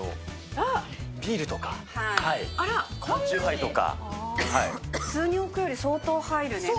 ビールとか、普通に置くより相当入るね。